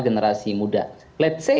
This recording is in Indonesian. generasi muda let's say